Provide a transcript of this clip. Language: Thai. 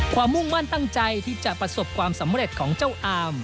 มุ่งมั่นตั้งใจที่จะประสบความสำเร็จของเจ้าอาม